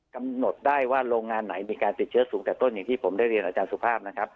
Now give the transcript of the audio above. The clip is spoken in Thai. กำหนดได้ว่าโรงงานไหนมีการติดเชื้อสูงแต่ต้นอย่างที่ผมได้เรียนอาจารย์สุภาพนะครับ